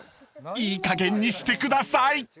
［いいかげんにしてください！］